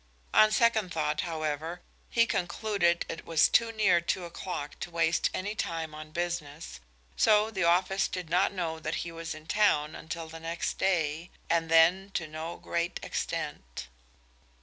On second thought, however, he concluded it was too near two o'clock to waste any time on business, so the office did not know that he was in town until the next day, and then to no great extent.